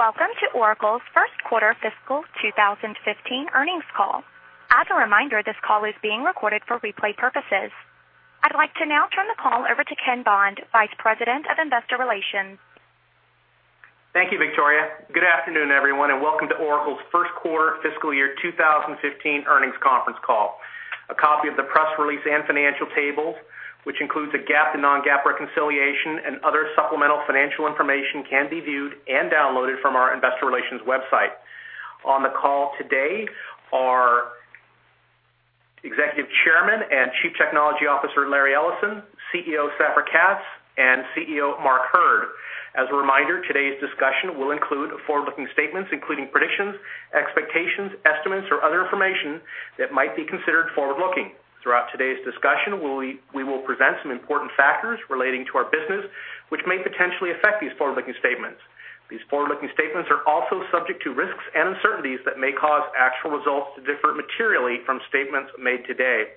Welcome to Oracle's first quarter fiscal 2015 earnings call. As a reminder, this call is being recorded for replay purposes. I'd like to now turn the call over to Ken Bond, Vice President of Investor Relations. Thank you, Victoria. Good afternoon, everyone, and welcome to Oracle's first quarter fiscal year 2015 earnings conference call. A copy of the press release and financial tables, which includes a GAAP to non-GAAP reconciliation and other supplemental financial information, can be viewed and downloaded from our investor relations website. On the call today are Executive Chairman and Chief Technology Officer, Larry Ellison, CEO Safra Catz, and CEO Mark Hurd. As a reminder, today's discussion will include forward-looking statements, including predictions, expectations, estimates, or other information that might be considered forward-looking. Throughout today's discussion, we will present some important factors relating to our business, which may potentially affect these forward-looking statements. These forward-looking statements are also subject to risks and uncertainties that may cause actual results to differ materially from statements made today.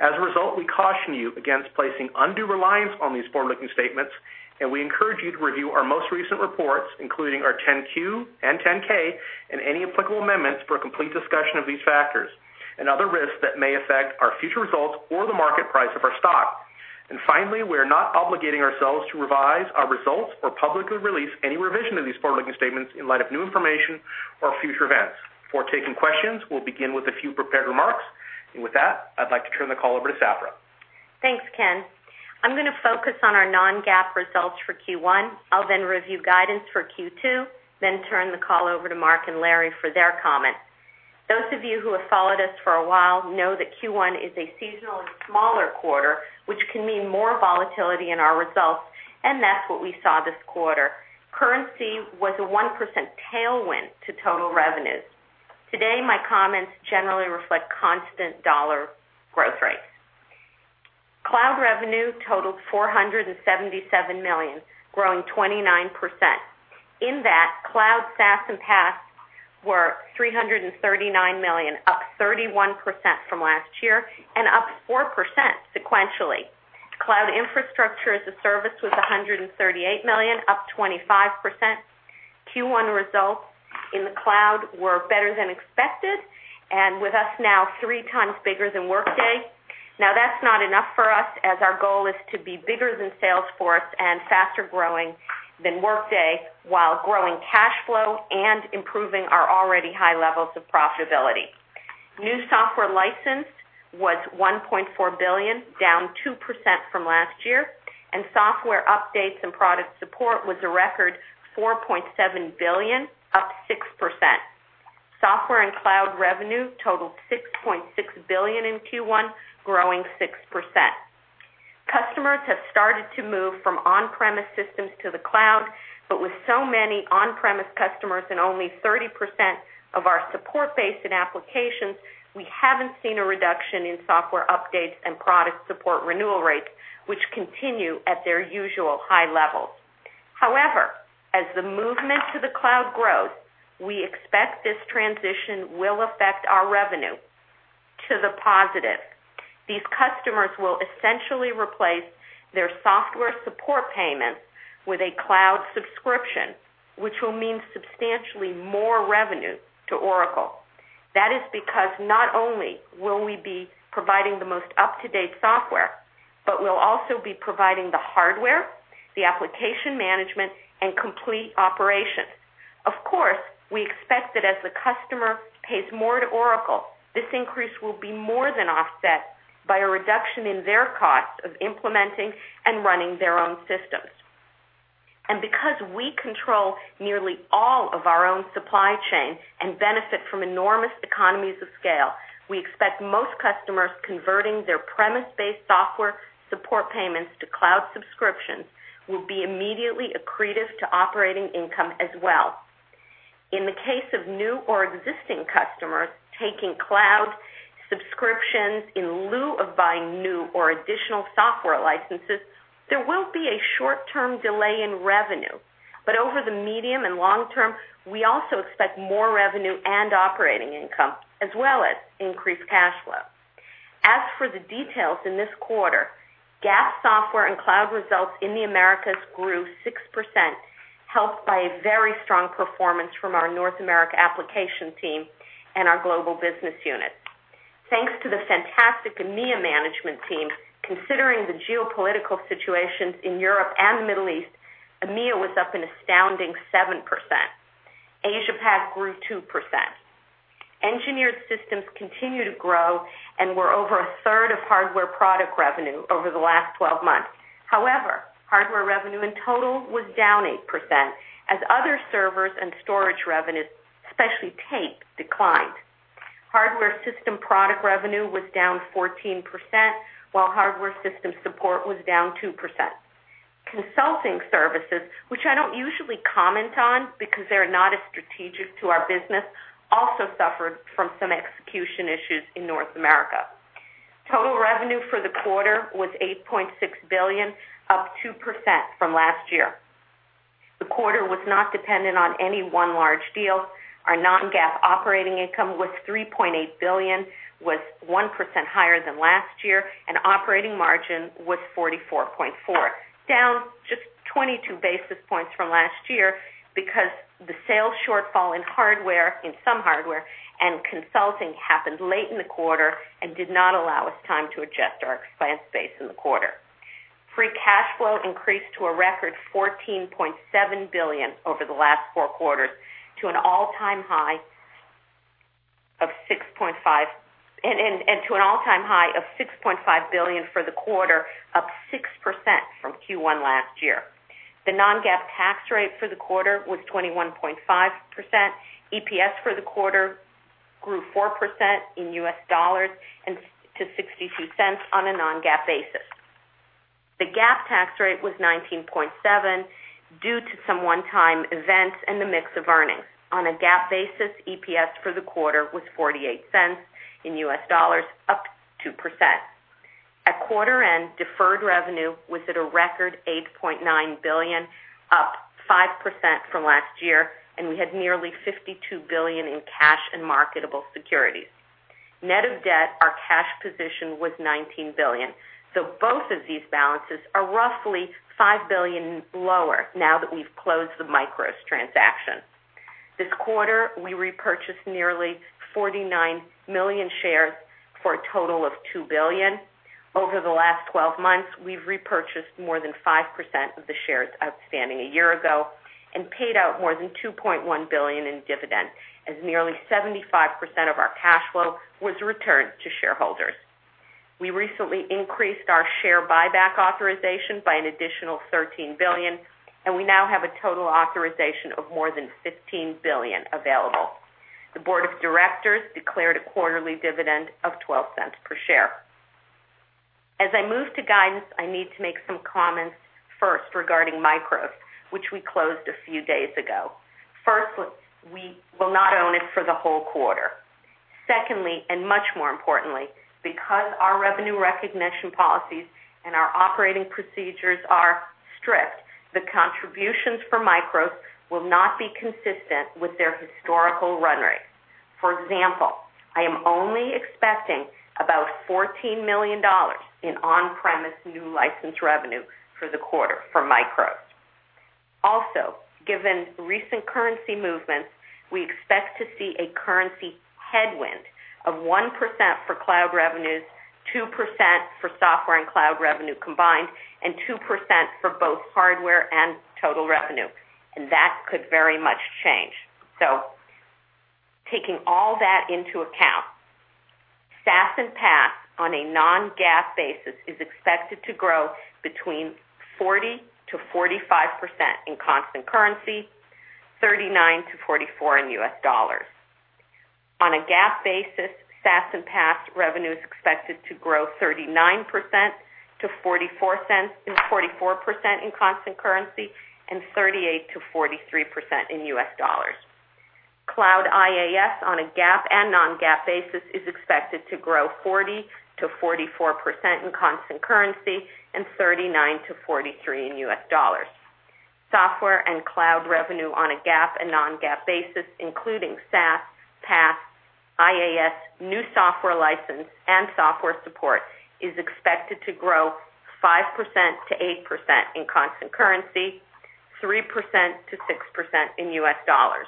As a result, we caution you against placing undue reliance on these forward-looking statements, and we encourage you to review our most recent reports, including our 10-Q and 10-K, and any applicable amendments for a complete discussion of these factors and other risks that may affect our future results or the market price of our stock. Finally, we are not obligating ourselves to revise our results or publicly release any revision of these forward-looking statements in light of new information or future events. Before taking questions, we'll begin with a few prepared remarks. With that, I'd like to turn the call over to Safra. Thanks, Ken. I'm going to focus on our non-GAAP results for Q1. I'll then review guidance for Q2, then turn the call over to Mark and Larry for their comments. Those of you who have followed us for a while know that Q1 is a seasonally smaller quarter, which can mean more volatility in our results, and that's what we saw this quarter. Currency was a 1% tailwind to total revenues. Today, my comments generally reflect constant dollar growth rates. Cloud revenue totaled $477 million, growing 29%. In that, cloud SaaS and PaaS were $339 million, up 31% from last year and up 4% sequentially. Cloud Infrastructure as a Service was $138 million, up 25%. Q1 results in the cloud were better than expected, and with us now three times bigger than Workday. That's not enough for us, as our goal is to be bigger than Salesforce and faster-growing than Workday while growing cash flow and improving our already high levels of profitability. New software licensed was $1.4 billion, down 2% from last year, and software updates and product support was a record $4.7 billion, up 6%. Software and cloud revenue totaled $6.6 billion in Q1, growing 6%. Customers have started to move from on-premise systems to the cloud, but with so many on-premise customers and only 30% of our support base in applications, we haven't seen a reduction in software updates and product support renewal rates, which continue at their usual high levels. As the movement to the cloud grows, we expect this transition will affect our revenue to the positive. These customers will essentially replace their software support payments with a cloud subscription, which will mean substantially more revenue to Oracle. That is because not only will we be providing the most up-to-date software, but we'll also be providing the hardware, the application management, and complete operations. Of course, we expect that as the customer pays more to Oracle, this increase will be more than offset by a reduction in their costs of implementing and running their own systems. Because we control nearly all of our own supply chain and benefit from enormous economies of scale, we expect most customers converting their premise-based software support payments to cloud subscriptions will be immediately accretive to operating income as well. In the case of new or existing customers taking cloud subscriptions in lieu of buying new or additional software licenses, there will be a short-term delay in revenue. Over the medium and long term, we also expect more revenue and operating income, as well as increased cash flow. As for the details in this quarter, GAAP software and cloud results in the Americas grew 6%, helped by a very strong performance from our North America application team and our global business unit. Thanks to the fantastic EMEA management team, considering the geopolitical situations in Europe and the Middle East, EMEA was up an astounding 7%. Asia-Pac grew 2%. Engineered systems continue to grow and were over a third of hardware product revenue over the last 12 months. Hardware revenue in total was down 8%, as other servers and storage revenues, especially tape, declined. Hardware system product revenue was down 14%, while hardware system support was down 2%. Consulting services, which I don't usually comment on because they're not as strategic to our business, also suffered from some execution issues in North America. Total revenue for the quarter was $8.6 billion, up 2% from last year. The quarter was not dependent on any one large deal. Our non-GAAP operating income was $3.8 billion, was 1% higher than last year, and operating margin was 44.4%. Down just 22 basis points from last year because the sales shortfall in some hardware and consulting happened late in the quarter and did not allow us time to adjust our expense base in the quarter. Free cash flow increased to a record $14.7 billion over the last four quarters, and to an all-time high of $6.5 billion for the quarter, up 6% from Q1 last year. The non-GAAP tax rate for the quarter was 21.5%. EPS for the quarter grew 4% in US dollars and to $0.62 on a non-GAAP basis. The GAAP tax rate was 19.7% due to some one-time events and the mix of earnings. On a GAAP basis, EPS for the quarter was $0.48 in US dollars, up 2%. At quarter end, deferred revenue was at a record $8.9 billion, up 5% from last year, and we had nearly $52 billion in cash and marketable securities. Net of debt, our cash position was $19 billion. Both of these balances are roughly $5 billion lower now that we've closed the MICROS Systems transaction. This quarter, we repurchased nearly 49 million shares for a total of $2 billion. Over the last 12 months, we've repurchased more than 5% of the shares outstanding a year ago and paid out more than $2.1 billion in dividends, as nearly 75% of our cash flow was returned to shareholders. We recently increased our share buyback authorization by an additional $13 billion, and we now have a total authorization of more than $15 billion available. The board of directors declared a quarterly dividend of $0.12 per share. As I move to guidance, I need to make some comments first regarding MICROS Systems, which we closed a few days ago. First, we will not own it for the whole quarter. Secondly, and much more importantly, because our revenue recognition policies and our operating procedures are strict, the contributions from MICROS Systems will not be consistent with their historical run rate. For example, I am only expecting about $14 million in on-premise new license revenue for the quarter for MICROS Systems. Given recent currency movements, we expect to see a currency headwind of 1% for cloud revenues, 2% for software and cloud revenue combined, and 2% for both hardware and total revenue, and that could very much change. Taking all that into account, SaaS and PaaS on a non-GAAP basis is expected to grow between 40%-45% in constant currency, 39%-44% in US dollars. On a GAAP basis, SaaS and PaaS revenue is expected to grow 39%-44% in constant currency and 38%-43% in US dollars. Cloud IaaS on a GAAP and non-GAAP basis is expected to grow 40%-44% in constant currency and 39%-43% in US dollars. Software and cloud revenue on a GAAP and non-GAAP basis, including SaaS, PaaS, IaaS, new software license, and software support is expected to grow 5%-8% in constant currency, 3%-6% in US dollars.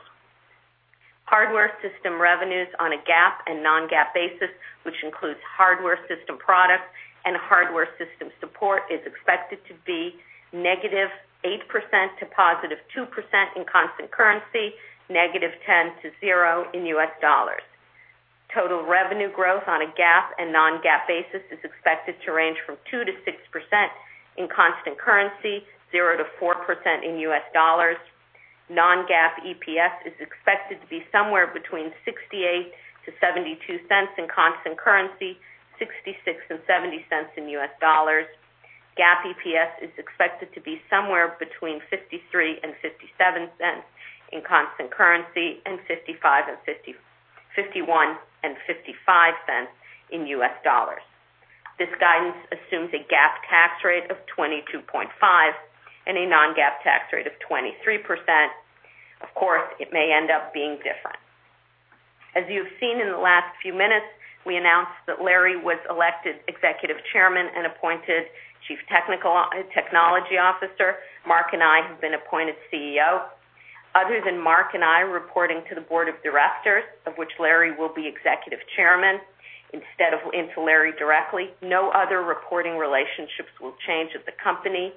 Hardware system revenues on a GAAP and non-GAAP basis, which includes hardware system products and hardware system support, is expected to be -8% to +2% in constant currency, -10% to 0% in US dollars. Total revenue growth on a GAAP and non-GAAP basis is expected to range from 2%-6% in constant currency, 0%-4% in US dollars. Non-GAAP EPS is expected to be somewhere between $0.68-$0.72 in constant currency, $0.66-$0.70 in US dollars. GAAP EPS is expected to be somewhere between $0.53-$0.57 in constant currency, and $0.51-$0.55 in US dollars. This guidance assumes a GAAP tax rate of 22.5% and a non-GAAP tax rate of 23%. Of course, it may end up being different. As you have seen in the last few minutes, we announced that Larry was elected Executive Chairman and appointed Chief Technology Officer. Mark and I have been appointed CEO. Other than Mark and I reporting to the board of directors, of which Larry will be Executive Chairman instead of into Larry directly, no other reporting relationships will change at the company.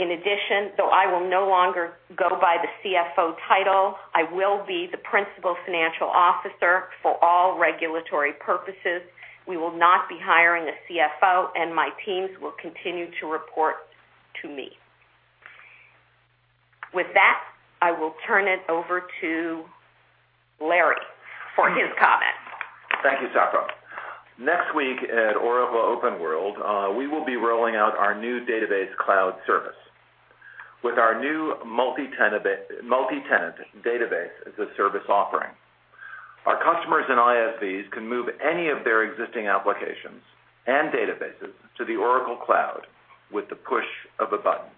In addition, though I will no longer go by the CFO title, I will be the Principal Financial Officer for all regulatory purposes. We will not be hiring a CFO, and my teams will continue to report to me. With that, I will turn it over to Larry for his comments. Thank you, Safra. Next week at Oracle OpenWorld, we will be rolling out our new Database Cloud Service. With our new multi-tenant Database as a Service offering. Our customers and ISVs can move any of their existing applications and databases to the Oracle Cloud with the push of a button.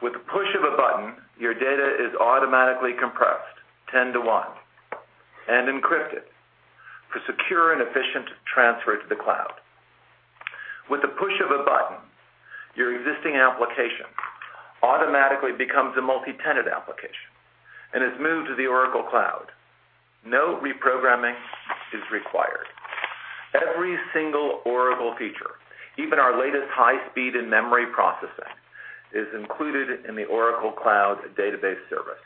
With the push of a button, your data is automatically compressed 10 to 1 and encrypted for secure and efficient transfer to the cloud. With the push of a button, your existing application automatically becomes a multi-tenant application and is moved to the Oracle Cloud. No reprogramming is required. Every single Oracle feature, even our latest high-speed in-memory processing, is included in the Oracle Cloud Database Service.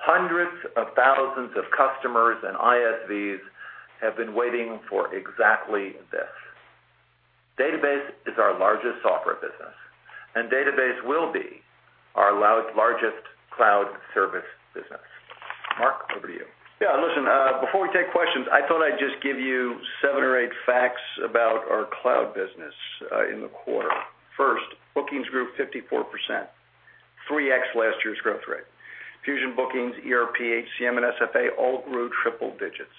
Hundreds of thousands of customers and ISVs have been waiting for exactly this. Database is our largest software business, and Database will be our largest Cloud Service business. Mark, over to you. Listen, before we take questions, I thought I'd just give you seven or eight facts about our cloud business in the quarter. First, bookings grew 54%, 3x last year's growth rate. Fusion bookings, ERP, HCM, and SFA all grew triple digits.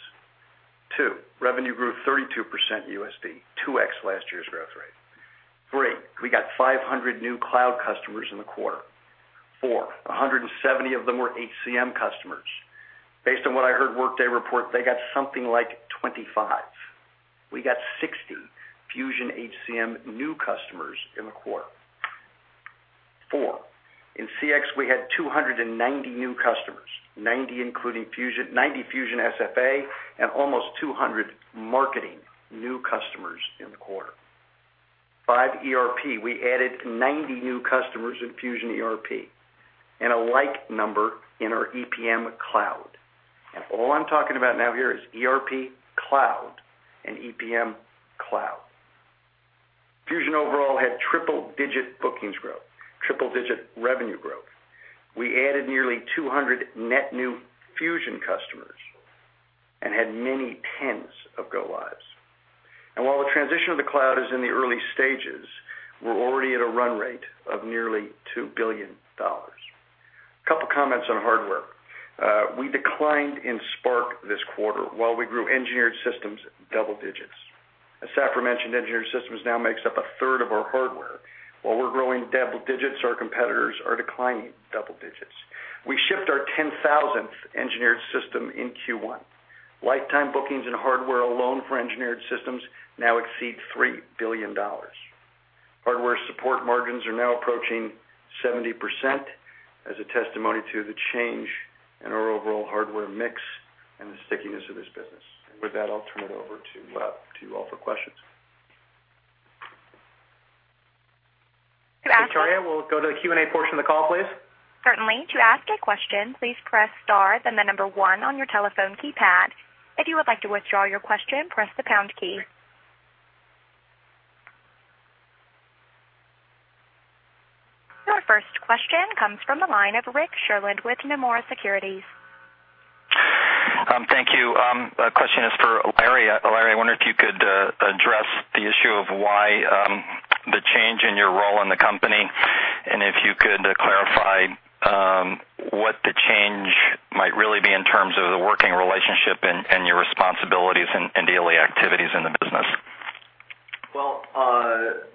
Two, revenue grew 32% USD, 2x last year's growth rate. Three, we got 500 new cloud customers in the quarter. Four, 170 of them were HCM customers. Based on what I heard Workday report, they got something like 25. We got 60 Fusion HCM new customers in the quarter. Four, in CX we had 290 new customers, 90 Fusion SFA, and almost 200 marketing new customers in the quarter. Five, ERP. We added 90 new customers in Fusion ERP and a like number in our EPM Cloud. All I'm talking about now here is ERP Cloud and EPM Cloud. Fusion overall had triple-digit bookings growth, triple-digit revenue growth. We added nearly 200 net new Fusion customers and had many tens of go lives. While the transition to the cloud is in the early stages, we're already at a run rate of nearly $2 billion. A couple of comments on hardware. We declined in SPARC this quarter while we grew engineered systems double digits. As Safra mentioned, engineered systems now makes up a third of our hardware. While we're growing double digits, our competitors are declining double digits. We shipped our 10,000th engineered system in Q1. Lifetime bookings and hardware alone for engineered systems now exceed $3 billion. Hardware support margins are now approaching 70% as a testimony to the change in our overall hardware mix and the stickiness of this business. With that, I'll turn it over to you all for questions. Victoria, we'll go to the Q&A portion of the call, please. Certainly. To ask a question, please press star, then the number one on your telephone keypad. If you would like to withdraw your question, press the pound key. Your first question comes from the line of Rick Sherlund with Nomura Securities. Thank you. Question is for Larry. Larry, I wonder if you could address the issue of why the change in your role in the company, and if you could clarify what the change might really be in terms of the working relationship and your responsibilities and daily activities in the business. Well,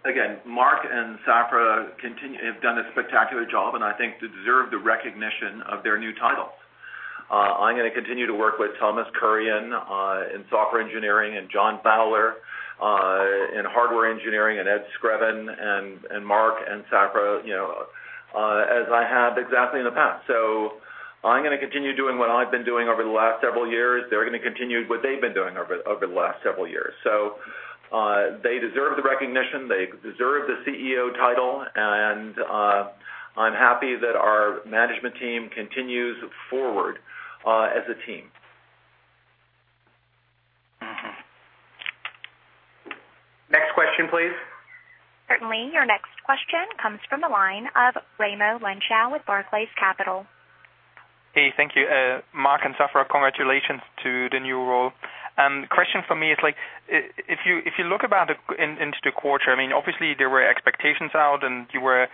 again, Mark and Safra have done a spectacular job, and I think deserve the recognition of their new titles. I'm going to continue to work with Thomas Kurian in software engineering and John Fowler in hardware engineering and Edward Screven and Mark and Safra, as I have exactly in the past. I'm going to continue doing what I've been doing over the last several years. They're going to continue what they've been doing over the last several years. They deserve the recognition. They deserve the CEO title, and I'm happy that our management team continues forward as a team. Next question, please. Certainly. Your next question comes from the line of Raimo Lenschow with Barclays Capital. Hey, thank you. Mark and Safra, congratulations to the new role. Question for me is, if you look about into the quarter, obviously there were expectations out, and you were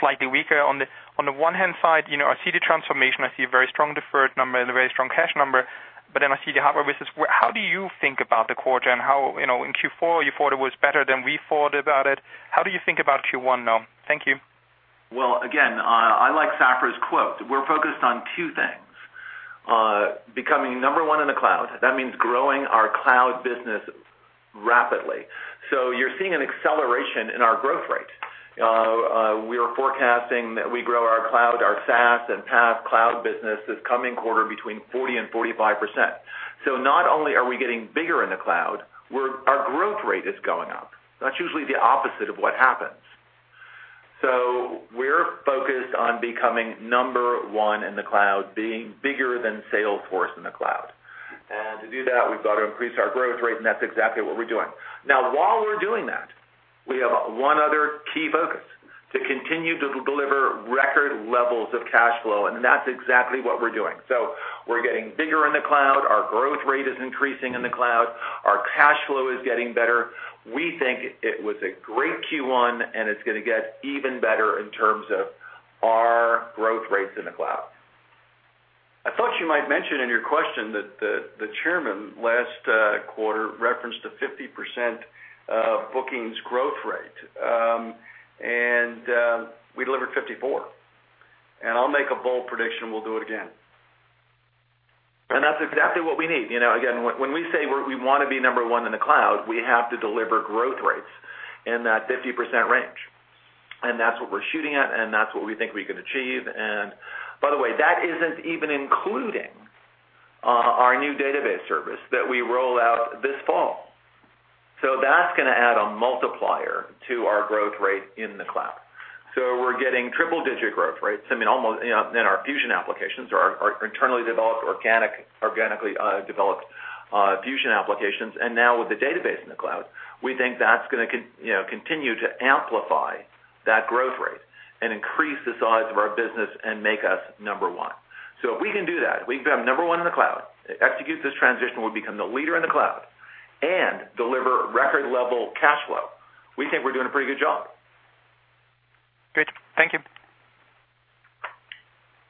slightly weaker. On the one-hand side, I see the transformation. I see a very strong deferred number and a very strong cash number, but then I see the hardware business. How do you think about the quarter, and how in Q4 you thought it was better than we thought about it. How do you think about Q1 now? Thank you. Well, again, I like Safra's quote. We're focused on two things. Becoming number one in the cloud. That means growing our cloud business rapidly. You're seeing an acceleration in our growth rate. We are forecasting that we grow our cloud, our SaaS and PaaS cloud business this coming quarter between 40% and 45%. Not only are we getting bigger in the cloud, our growth rate is going up. That's usually the opposite of what happens. We're focused on becoming number one in the cloud, being bigger than Salesforce in the cloud. To do that, we've got to increase our growth rate, and that's exactly what we're doing. Now, while we're doing that, we have one other key focus, to continue to deliver record levels of cash flow, and that's exactly what we're doing. We're getting bigger in the cloud. Our growth rate is increasing in the cloud. Our cash flow is getting better. We think it was a great Q1, and it's going to get even better in terms of our growth rates in the cloud. Well, you might mention in your question that the chairman last quarter referenced a 50% bookings growth rate, and we delivered 54%. I'll make a bold prediction, we'll do it again. That's exactly what we need. Again, when we say we want to be number one in the cloud, we have to deliver growth rates in that 50% range. That's what we're shooting at, and that's what we think we can achieve. By the way, that isn't even including our new database service that we roll out this fall. That's going to add a multiplier to our growth rate in the cloud. We're getting triple-digit growth rates in our Fusion applications or our internally developed, organically developed Fusion applications. Now with the database in the cloud, we think that's going to continue to amplify that growth rate and increase the size of our business and make us number one. If we can do that, we can become number one in the cloud, execute this transition, we'll become the leader in the cloud, and deliver record-level cash flow. We think we're doing a pretty good job. Great. Thank you.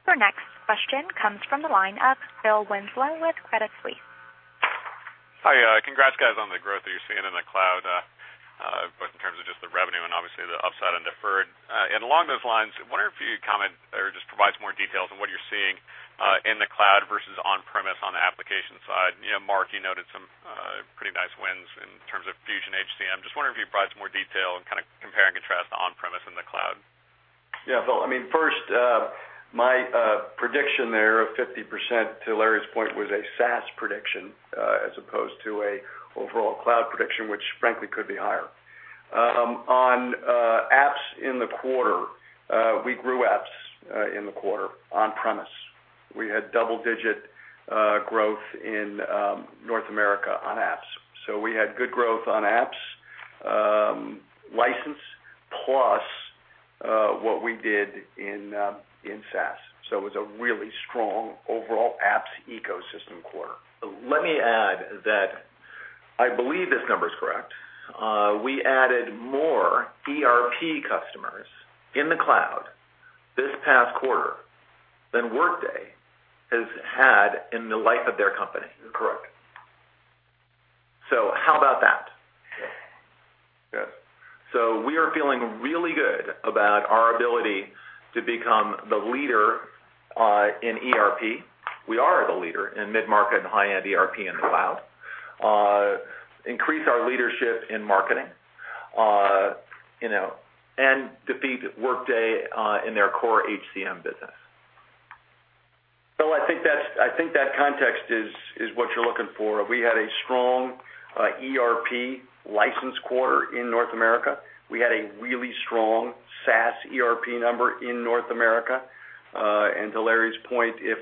Your next question comes from the line of Phil Winslow with Credit Suisse. Hi. Congrats, guys, on the growth that you're seeing in the cloud, both in terms of just the revenue and obviously the upside and deferred. Along those lines, I wonder if you could comment or just provide some more details on what you're seeing in the cloud versus on-premise on the application side. Mark, you noted some pretty nice wins in terms of Fusion HCM. Just wondering if you could provide some more detail and compare and contrast on-premise and the cloud. Yeah, Phil. First, my prediction there of 50%, to Larry's point, was a SaaS prediction, as opposed to an overall cloud prediction, which frankly could be higher. On apps in the quarter, we grew apps in the quarter on-premise. We had double-digit growth in North America on apps. We had good growth on apps license plus what we did in SaaS. It was a really strong overall apps ecosystem quarter. Let me add that I believe this number is correct. We added more ERP customers in the cloud this past quarter than Workday has had in the life of their company. Correct. How about that? Good. We are feeling really good about our ability to become the leader in ERP. We are the leader in mid-market and high-end ERP in the cloud. Increase our leadership in marketing, and defeat Workday in their core HCM business. Phil, I think that context is what you're looking for. We had a strong ERP license quarter in North America. We had a really strong SaaS ERP number in North America. To Larry's point, if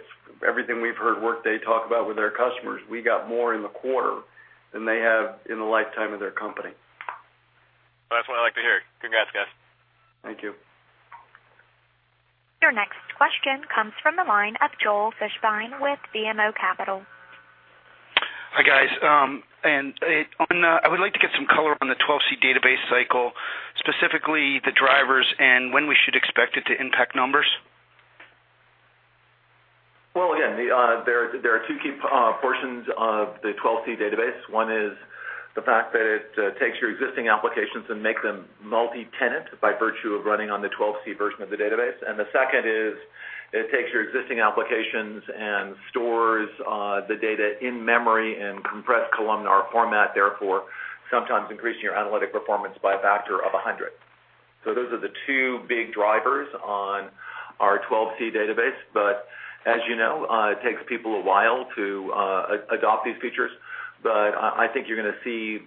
everything we've heard Workday talk about with their customers, we got more in the quarter than they have in the lifetime of their company. That's what I like to hear. Congrats, guys. Thank you. Your next question comes from the line of Joel Fishbein with BMO Capital. Hi, guys. I would like to get some color on the 12c database cycle, specifically the drivers and when we should expect it to impact numbers. Again, there are two key portions of the 12c database. One is the fact that it takes your existing applications and make them multi-tenant by virtue of running on the 12c version of the database. The second is it takes your existing applications and stores the data in-memory in compressed columnar format, therefore sometimes increasing your analytic performance by a factor of 100. Those are the two big drivers on our 12c database. As you know, it takes people a while to adopt these features. I think you're going to see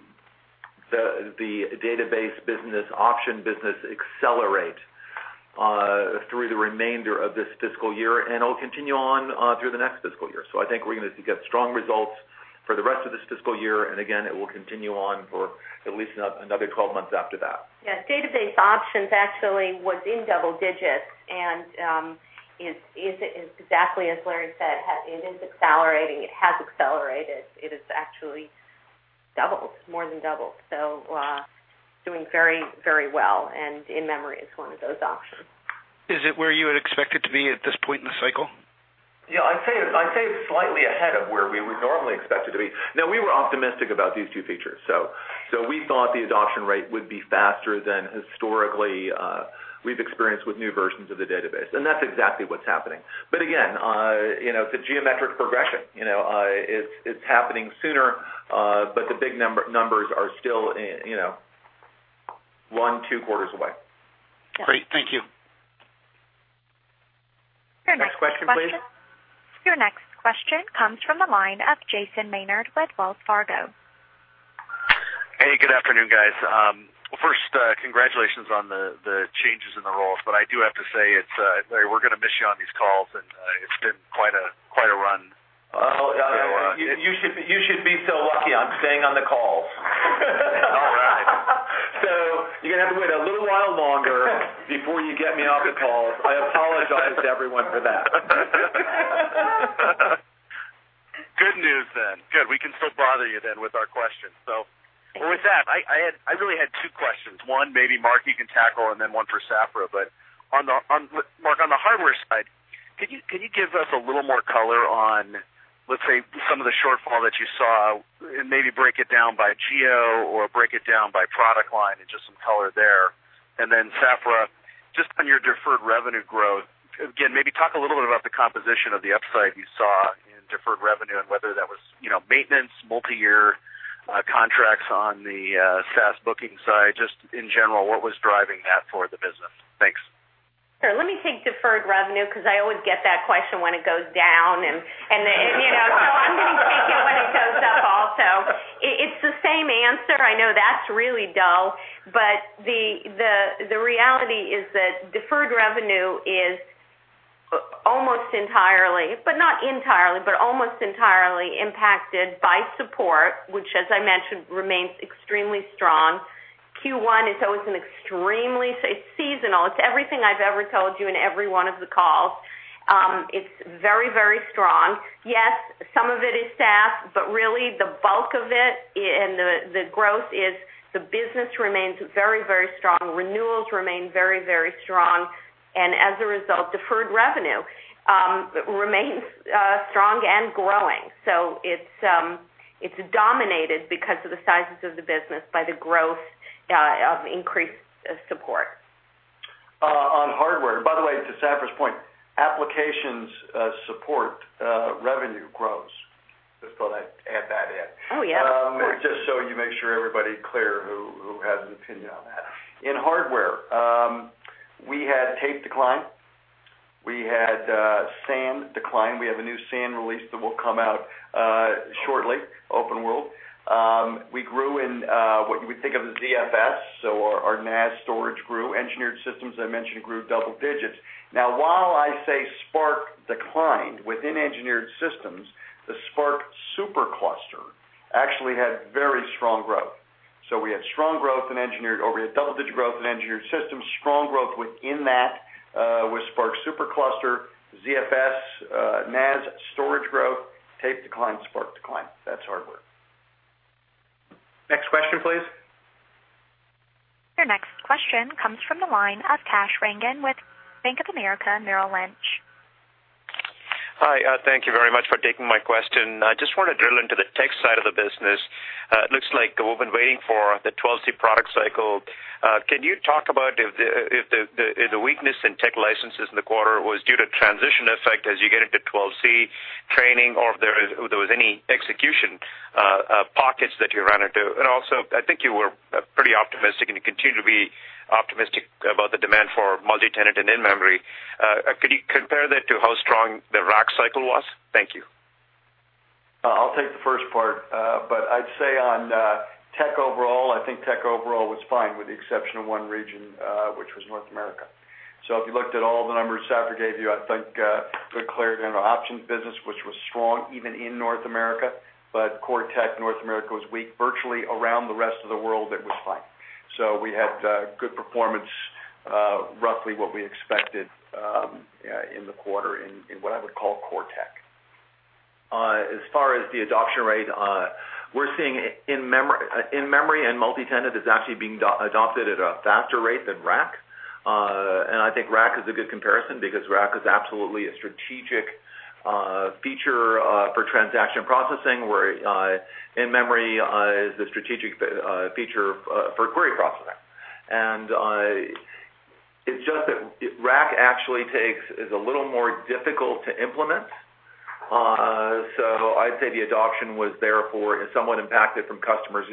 the database business, option business accelerate through the remainder of this fiscal year, and it'll continue on through the next fiscal year. I think we're going to get strong results for the rest of this fiscal year, and again, it will continue on for at least another 12 months after that. Yes. Database options actually was in double digits, and it is exactly as Larry said, it is accelerating. It has accelerated. It is actually more than doubled. Doing very well, and in-memory is one of those options. Is it where you would expect it to be at this point in the cycle? Yeah, I'd say it's slightly ahead of where we would normally expect it to be. Now, we were optimistic about these two features. We thought the adoption rate would be faster than historically we've experienced with new versions of the database, and that's exactly what's happening. Again, it's a geometric progression. It's happening sooner, but the big numbers are still one, two quarters away. Great. Thank you. Your next question- Next question, please. Your next question comes from the line of Jason Maynard with Wells Fargo. Hey, good afternoon, guys. First, congratulations on the changes in the roles, but I do have to say, Larry, we're going to miss you on these calls, and it's been quite a run. Oh, you should be so lucky. I'm staying on the calls. All right. You're going to have to wait a little while longer before you get me off the calls. I apologize to everyone for that. Good. We can still bother you then with our questions. With that, I really had two questions. One maybe Mark you can tackle, and then one for Safra. Mark, on the hardware side, can you give us a little more color on, let's say, some of the shortfall that you saw, and maybe break it down by geo or break it down by product line and just some color there? Safra, just on your deferred revenue growth, again, maybe talk a little bit about the composition of the upside you saw in deferred revenue and whether that was maintenance, multi-year contracts on the SaaS booking side, just in general, what was driving that for the business? Thanks. Sure. Let me take deferred revenue because I always get that question when it goes down. I'm going to take it when it goes up also. It's the same answer. I know that's really dull, but the reality is that deferred revenue is almost entirely, but not entirely, but almost entirely impacted by support, which as I mentioned, remains extremely strong. Q1 is always an extremely seasonal. It's everything I've ever told you in every one of the calls. It's very, very strong. Yes, some of it is SaaS, but really the bulk of it and the growth is the business remains very, very strong. Renewals remain very, very strong, and as a result, deferred revenue remains strong and growing. It's dominated because of the sizes of the business by the growth of increased support. On hardware. By the way, to Safra's point, applications support revenue growth. Just thought I'd add that in. Oh, yeah. Just so you make sure everybody clear who has an opinion on that. In hardware, we had tape decline. We had SAN decline. We have a new SAN release that will come out shortly, OpenWorld. We grew in what we think of as ZFS, so our NAS storage grew. Engineered systems, I mentioned, grew double digits. Now, while I say SPARC declined within engineered systems, the SPARC SuperCluster actually had very strong growth. We had strong growth in engineered over a double-digit growth in engineered systems. Strong growth within that with SPARC SuperCluster, ZFS, NAS storage growth, tape decline, SPARC decline. That's hardware. Next question, please. Your next question comes from the line of Kash Rangan with Bank of America Merrill Lynch. Hi. Thank you very much for taking my question. I just want to drill into the tech side of the business. It looks like we've been waiting for the 12c product cycle. Can you talk about if the weakness in tech licenses in the quarter was due to transition effect as you get into 12c training or if there was any execution pockets that you ran into? Also, I think you were pretty optimistic and you continue to be optimistic about the demand for multi-tenant and in-memory. Could you compare that to how strong the RAC cycle was? Thank you. I'll take the first part, but I'd say on tech overall, I think tech overall was fine with the exception of one region, which was North America. If you looked at all the numbers Safra gave you, I think good clarity on our options business, which was strong even in North America, but core tech North America was weak. Virtually around the rest of the world, it was fine. We had good performance, roughly what we expected in the quarter in what I would call core tech. As far as the adoption rate, we're seeing In-memory and multi-tenant is actually being adopted at a faster rate than RAC. I think RAC is a good comparison because RAC is absolutely a strategic feature for transaction processing, where In-memory is a strategic feature for query processing. It's just that RAC actually is a little more difficult to implement. I'd say the adoption was therefore somewhat impacted from customers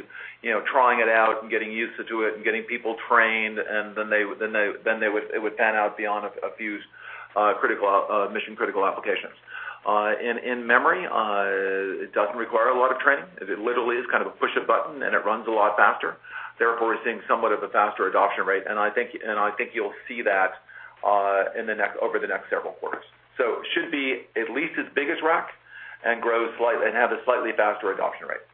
trying it out and getting used to it and getting people trained, and then it would pan out beyond a few mission-critical applications. In-memory, it doesn't require a lot of training. It literally is kind of a push a button, and it runs a lot faster. Therefore, we're seeing somewhat of a faster adoption rate, and I think you'll see that over the next several quarters. It should be at least as big as RAC and have a slightly faster adoption rate.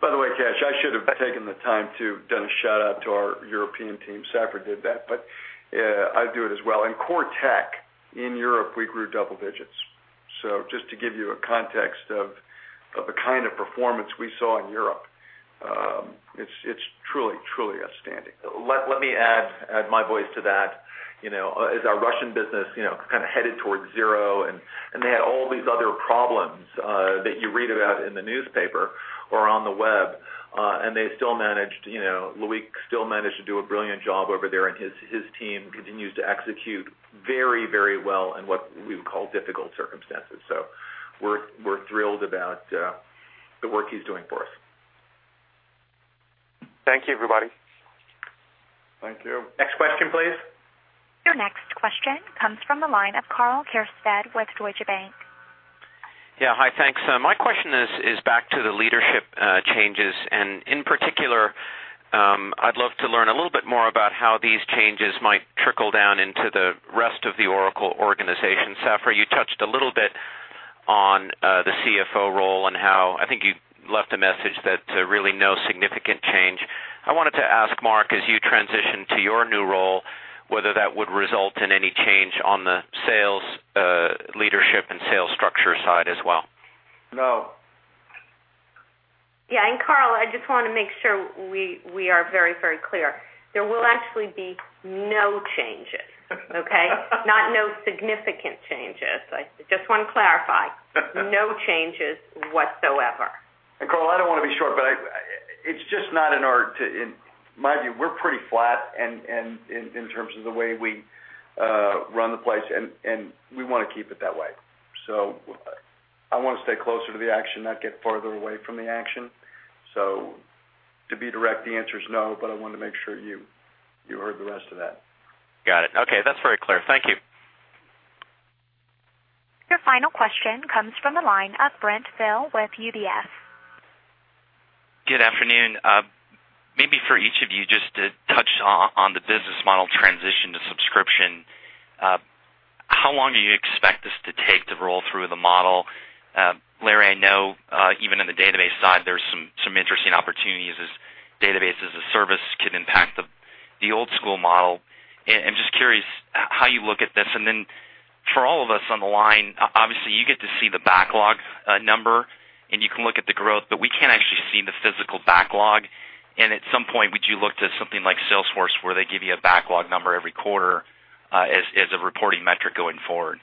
By the way, Kash, I should have taken the time to done a shout-out to our European team. Safra did that, but I'll do it as well. In core tech in Europe, we grew double digits. Just to give you a context of the kind of performance we saw in Europe. It's truly outstanding. Let me add my voice to that. As our Russian business headed towards zero, they had all these other problems that you read about in the newspaper or on the web, they still managed, Loïc still managed to do a brilliant job over there, his team continues to execute very well in what we would call difficult circumstances. We're thrilled about the work he's doing for us. Thank you, everybody. Thank you. Next question, please. Your next question comes from the line of Karl Keirstad with Deutsche Bank. Yeah. Hi, thanks. My question is back to the leadership changes. In particular, I'd love to learn a little bit more about how these changes might trickle down into the Oracle organization. Safra, you touched a little bit on the CFO role and how I think you left a message. I wanted to ask Mark, as you transition to your new role, whether that would result in any change on the sales leadership and sales structure side as well? No. Yeah. Carl, I just want to make sure we are very clear. There will actually be no changes. Okay. Not no significant changes. I just want to clarify. No changes whatsoever. Carl, I don't want to be short, but it's just not in our in my view, we're pretty flat in terms of the way we run the place, and we want to keep it that way. I want to stay closer to the action, not get farther away from the action. To be direct, the answer is no, but I wanted to make sure you heard the rest of that. Got it. Okay. That's very clear. Thank you. Your final question comes from the line of Brent Thill with UBS. Good afternoon. Maybe for each of you just to touch on the business model transition to subscription. How long do you expect this to take to roll through the model? Larry, I know, even in the database side, there's some interesting opportunities as Database as a Service can impact the old school model. Just curious how you look at this, then for all of us on the line, obviously, you get to see the backlog number, and you can look at the growth, but we can't actually see the physical backlog. At some point, would you look to something like Salesforce where they give you a backlog number every quarter, as a reporting metric going forward?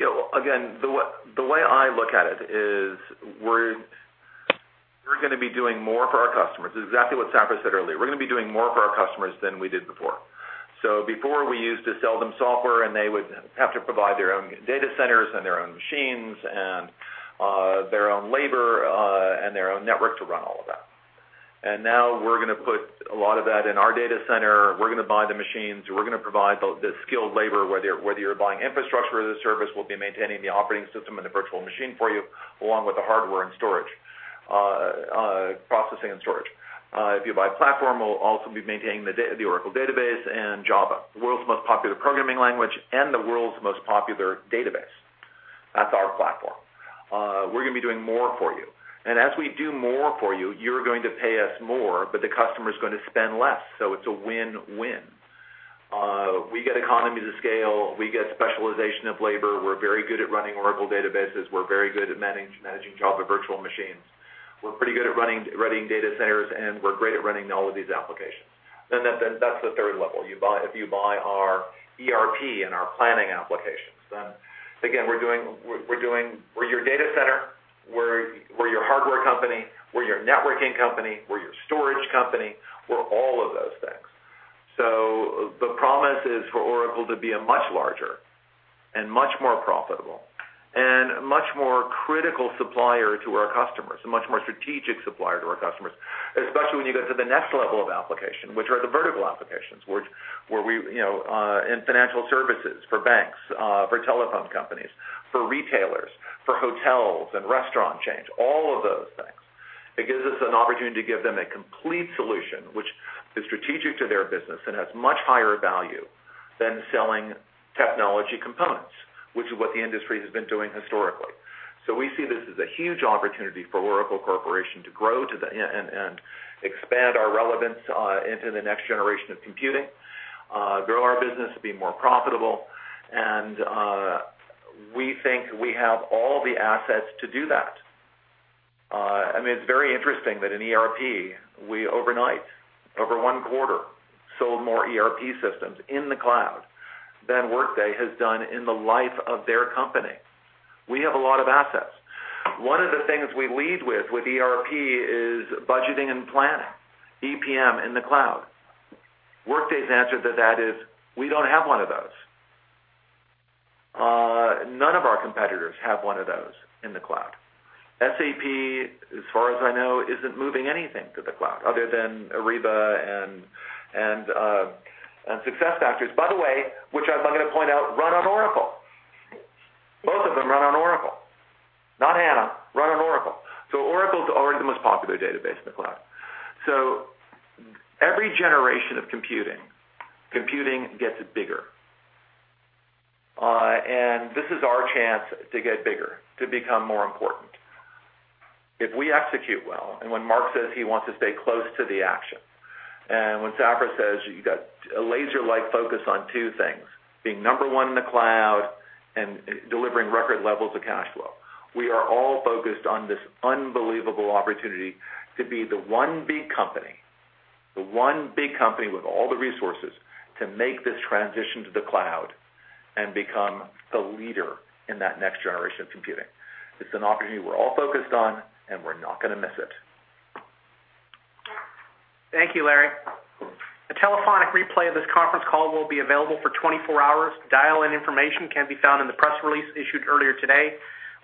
Again, the way I look at it is we're going to be doing more for our customers. Exactly what Safra said earlier. We're going to be doing more for our customers than we did before. Before we used to sell them software, they would have to provide their own data centers and their own machines and their own labor, their own network to run all of that. Now we're going to put a lot of that in our data center. We're going to buy the machines. We're going to provide the skilled labor, whether you're buying infrastructure as a service, we'll be maintaining the operating system and the virtual machine for you, along with the hardware and storage, processing and storage. If you buy platform, we'll also be maintaining the Oracle Database and Java, world's most popular programming language, and the world's most popular database. That's our platform. We're going to be doing more for you. As we do more for you're going to pay us more, the customer's going to spend less. It's a win-win. We get economies of scale. We get specialization of labor. We're very good at running Oracle databases. We're very good at managing Java virtual machines. We're pretty good at running data centers, we're great at running all of these applications. That's the third level. If you buy our ERP and our planning applications, again, we're your data center, we're your hardware company, we're your networking company, we're your storage company, we're all of those things. The promise is for Oracle to be a much larger and much more profitable and much more critical supplier to our customers, a much more strategic supplier to our customers, especially when you go to the next level of application, which are the vertical applications, in financial services for banks, for telephone companies, for retailers, for hotels and restaurant chains, all of those things. It gives us an opportunity to give them a complete solution, which is strategic to their business and has much higher value than selling technology components, which is what the industry has been doing historically. We see this as a huge opportunity for Oracle Corporation to grow and expand our relevance into the next generation of computing, grow our business, be more profitable, and we think we have all the assets to do that. It's very interesting that in ERP, we overnight, over one quarter, sold more ERP systems in the cloud than Workday has done in the life of their company. We have a lot of assets. One of the things we lead with ERP is budgeting and planning, EPM in the cloud. Workday's answer to that is, "We don't have one of those." None of our competitors have one of those in the cloud. SAP, as far as I know, isn't moving anything to the cloud other than Ariba and SuccessFactors, by the way, which I'm going to point out, run on Oracle. Both of them run on Oracle. Not HANA, run on Oracle. Oracle's already the most popular database in the cloud. Every generation of computing gets bigger. This is our chance to get bigger, to become more important. If we execute well, when Mark says he wants to stay close to the action, when Safra says you got a laser-like focus on two things, being number 1 in the cloud and delivering record levels of cash flow. We are all focused on this unbelievable opportunity to be the one big company, the one big company with all the resources to make this transition to the cloud and become the leader in that next generation of computing. It's an opportunity we're all focused on, we're not going to miss it. Thank you, Larry. A telephonic replay of this conference call will be available for 24 hours. Dial-in information can be found in the press release issued earlier today.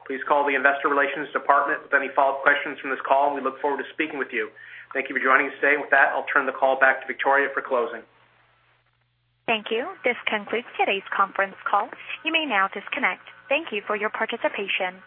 Please call the investor relations department with any follow-up questions from this call, we look forward to speaking with you. Thank you for joining us today. With that, I'll turn the call back to Victoria for closing. Thank you. This concludes today's conference call. You may now disconnect. Thank you for your participation.